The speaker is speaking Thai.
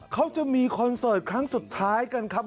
เขาจะมีคอนเสิร์ตครั้งสุดท้ายกันครับ